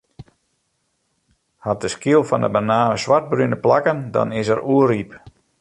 Hat de skyl fan 'e banaan swartbrune plakken, dan is er oerryp.